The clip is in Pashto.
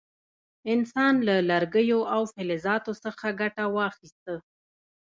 انسان له لرګیو او فلزاتو څخه ګټه واخیسته.